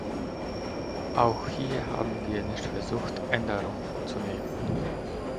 Auch hier haben wir nicht versucht, Änderungen vorzunehmen.